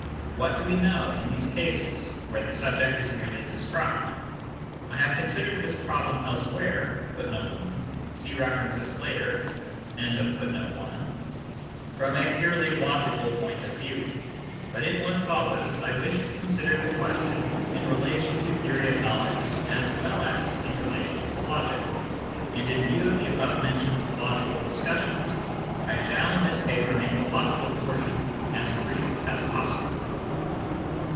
^ fa we know in these cases, where the subject is merely described? I have considered this problem elsewhere 1 from a purely logical point of view ; bvit in what follows I Jjvish to con sider the question in relation to theory of knowledge as well as in relation to logic, and in view of the above mentioned logical discussions, I shall in this paper make the logical portion as brief as possible.